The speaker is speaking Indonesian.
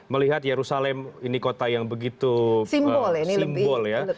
melihat yerusalem ini kota yang begitu simbol ya